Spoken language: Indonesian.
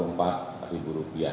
mencapai lima ratus juta rupiah